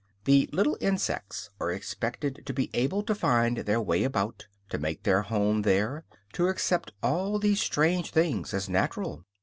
The little insects are expected to be able to find their way about, to make their home there, to accept all these strange things as natural.